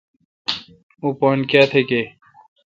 اں پان کیا تھ گے°